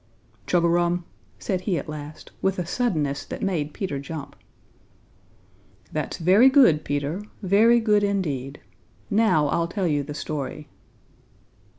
"Chug a rum!" said he at last, with a suddenness that made Peter jump. "That's very good, Peter, very good indeed! Now I'll tell you the story."